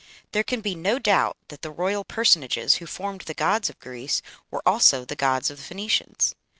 There can be no doubt that the royal personages who formed the gods of Greece were also the gods of the Phoenicians.